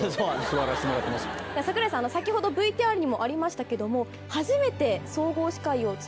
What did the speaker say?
櫻井さん先ほどＶＴＲにもありましたけども。